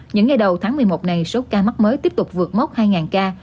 những ngày đầu tháng một mươi một này số ca mắc mới tiếp tục vượt mốc hai ca